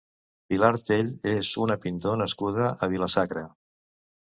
Pilar Tell és una pintor nascuda a Vila-sacra.